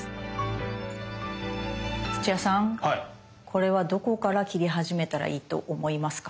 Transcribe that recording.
土屋さんこれはどこから切り始めたらいいと思いますか？